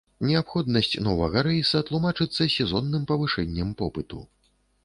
Неабходнасць новага рэйса тлумачыцца сезонным павышэннем попыту.